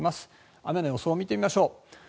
雨の予想を見てみましょう。